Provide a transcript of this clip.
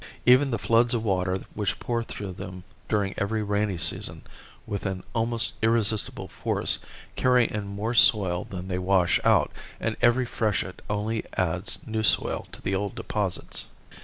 Even the floods of water which pour through them during every rainy season with an almost irresistible force carry in more soil than they wash out and every freshet only adds new soil to the old deposits.